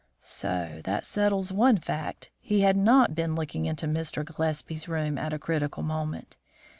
"So that settles one fact. He had not been looking into Mr. Gillespie's room at a critical moment.